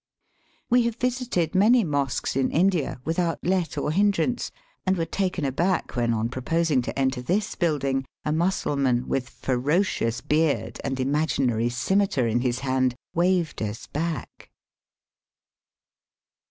We have visited many mosques in India without let or hindrance, and were taken aback when, on proposing to enter this building, a Mussul man, with ferocious beard and imaginary scimitar in his hand, waved us back.